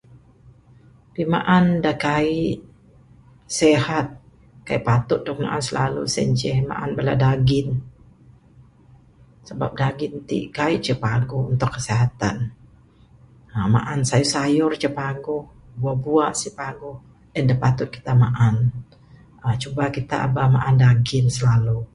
Pimaan da kaii sehat kaii patut dog naan silalu sien ceh maan bala dagin...sabab dagin ti kaii ceh paguh untuk kesihatan uhh maan sayur-sayur ceh paguh, buah-buah ceh paguh en da patut kita maan...[uhh] cuma kita aba maan dagin silalu.